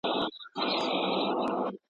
د چینجیو په څېر یو په بل لګېږي.